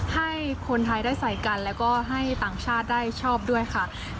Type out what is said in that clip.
ให้คนไทยได้ใส่กันแล้วก็ให้ต่างชาติได้ชอบด้วยค่ะ